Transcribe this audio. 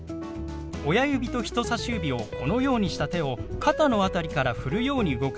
親指と人さし指をこのようにした手を肩の辺りからふるように動かします。